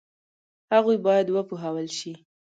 هغوی باید وپوهول شي.